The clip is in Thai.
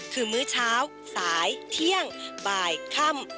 คือมื้อเช้าสายเที่ยงบ่ายค่ำ